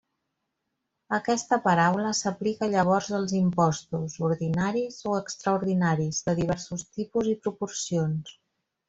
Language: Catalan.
Aquesta paraula s'aplica llavors als impostos, ordinaris o extraordinaris, de diversos tipus i proporcions.